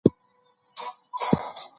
په ګروپي کارونو کي د یو بل نظر منل کېږي.